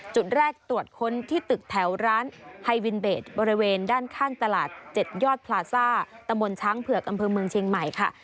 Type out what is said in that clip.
จุดแรกตรวจค้นที่ตึกแถวร้านไฮวินเบสบริเวณด้านข้างตลาด๗ยอดพลาซ่าตะมนต์ช้างเผือกอำเภอเมืองเชียงใหม่ค่ะ